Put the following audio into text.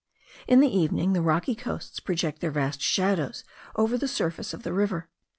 In the evening the rocky coasts project their vast shadows over the surface of the river.